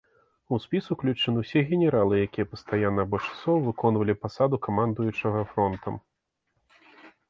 У спіс уключаныя ўсе генералы, якія пастаянна або часова выконвалі пасаду камандуючага фронтам.